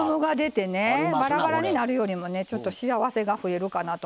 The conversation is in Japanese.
ばらばらになるよりもねちょっと幸せが増えるかなと思って。